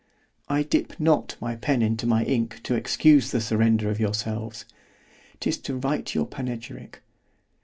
——I dip not my pen into my ink to excuse the surrender of yourselves—'tis to write your panegyrick.